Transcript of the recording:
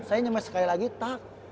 saya cuma sekali lagi tak